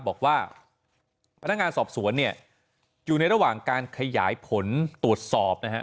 บอกว่าพนักงานสอบสวนเนี่ยอยู่ในระหว่างการขยายผลตรวจสอบนะฮะ